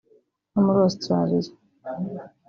no muri Australia